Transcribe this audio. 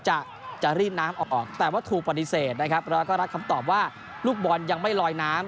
จะจะรีบน้ำออกแต่ว่าถูกปฏิเสธนะครับแล้วก็รับคำตอบว่าลูกบอลยังไม่ลอยน้ำ